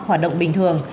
hoạt động bình thường